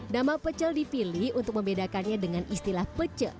nama pecel dipilih untuk membedakannya dengan istilah pecel